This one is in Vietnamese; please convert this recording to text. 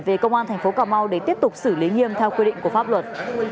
về công an tp cm để tiếp tục xử lý nghiêm theo quy định của pháp luật